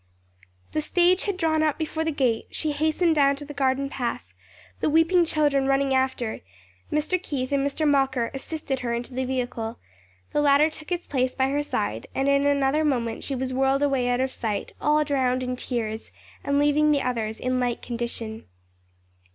The stage had drawn up before the gate; she hastened down the garden path, the weeping children running after; Mr. Keith and Mr. Mocker assisted her into the vehicle, the latter took his place by her side, and in another moment she was whirled away out of sight, all drowned in tears, and leaving the others in like condition.